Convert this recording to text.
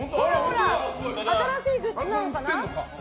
新しいグッズなのかな？